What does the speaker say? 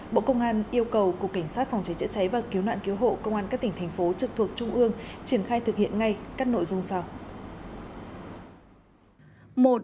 bộ công an yêu cầu cục cảnh sát phòng cháy chữa cháy và cứu nạn cứu hộ công an các tỉnh thành phố trực thuộc trung ương triển khai thực hiện ngay các nội dung sau